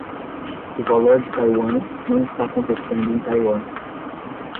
O valor de Taiwan não está acontecendo em Taiwan.